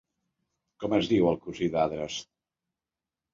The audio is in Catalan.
Com es diu el cosí d'Adrast?